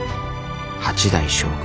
八代将軍